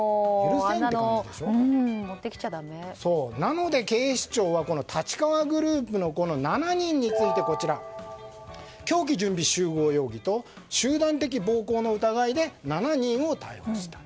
あんなのなので、警視庁は立川グループの７人について凶器準備集合容疑と集団的暴行の疑いで７人を逮捕した。